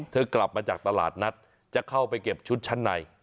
กลับมาจากตลาดนัดจะเข้าไปเก็บชุดชั้นใน